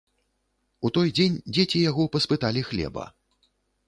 У той дзень дзеці яго паспыталі хлеба.